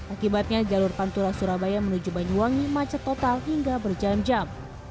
akibatnya jalur pantura surabaya menuju banyuwangi macet total hingga berjam jam